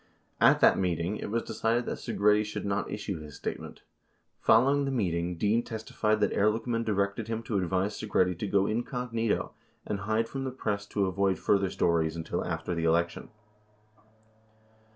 At that meeting it was decided that Segretti should not issue his statement. 64 Following the meeting Dean testified that Ehrlichman directed him to advise Segretti to go incognito and hide from the press to avoid further stories until after the election.